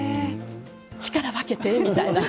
力分けてみたいな。